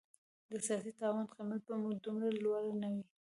د سیاسي تاوان قیمت به مو دومره لوړ نه وای.